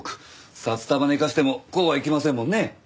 札束寝かしてもこうはいきませんもんね。